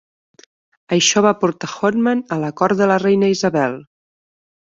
Això va portar Hotman a la cort de la reina Isabel.